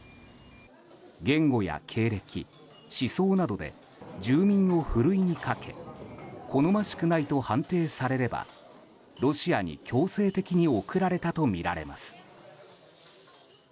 言語や経歴、思想などで住民をふるいに掛け好ましくないと判定されればロシアに強制的に送られたとみられます。